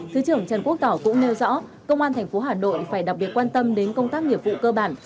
thứ trưởng trần quốc tỏ cũng nêu rõ công an tp hà nội phải đặc biệt quan tâm đến công tác nghiệp vụ cơ bản